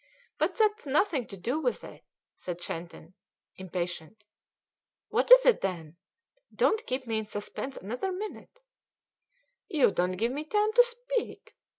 "But that's nothing to do with it," said Shandon, impatient. "What is it, then? Don't keep me in suspense another minute." "You don't give me time to speak.